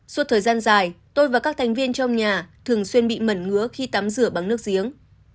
suốt thời gian dài tôi và các thành viên trong nhà thường xuyên bị mẩn ngứa khi tắm rửa bằng nước giếng